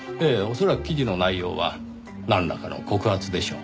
恐らく記事の内容はなんらかの告発でしょう。